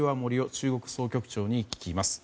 中国総局長に聞きます。